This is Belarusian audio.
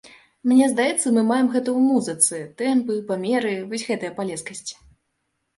Мне здаецца, мы маем гэта ў музыцы, тэмпы, памеры, вось гэтая палескасць.